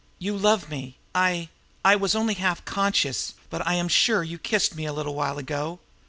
You love me! I I was only half conscious, but I am sure you kissed me a little while ago.